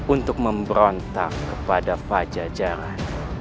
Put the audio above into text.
untuk memberontak kepada pajajaran